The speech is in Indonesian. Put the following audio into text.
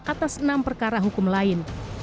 atas enam perkara hukum lain